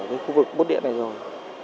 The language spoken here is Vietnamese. ở khu vực bốt điện này rồi